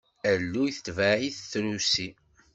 Alluy tetbeɛ-it trusi.